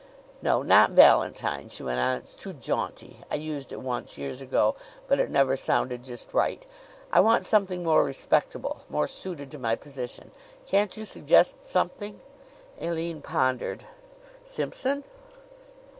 "No; not Valentine," she went on "it's too jaunty. I used it once years ago, but it never sounded just right. I want something more respectable, more suited to my position. Can't you suggest something?" Aline pondered. "Simpson?"